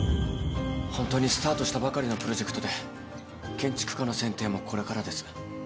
ホントにスタートしたばかりのプロジェクトで建築家の選定もこれからです。